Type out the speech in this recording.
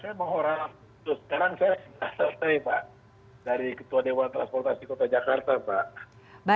saya mengorah terus sekarang saya selesai mbak dari ketua dewan transportasi jakarta mbak